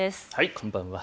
こんばんは。